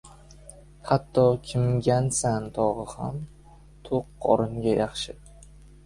• Hatto Kimgansan tog‘i ham to‘q qoringa yaxshi.